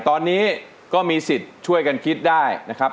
ตอนนี้ก็มีสิทธิ์ช่วยกันคิดได้นะครับ